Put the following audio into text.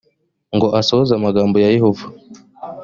ng asohoze amagambo ya yehova